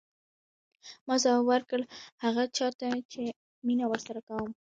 ما ځواب ورکړ هغه چا ته چې مینه ورسره کوم.